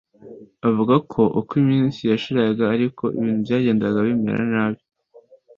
Avuga ko uko iminsi yashiraga ariko ibintu byagendaga bimera nabi